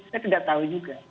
saya tidak tahu juga